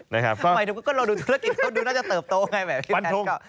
ใหม่ทุกคนก็ลองดูธุรกิจแล้วดูน่าจะเติบโตไงแม่พี่แพทย์ก็